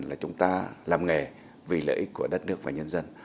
là chúng ta làm nghề vì lợi ích của đất nước và nhân dân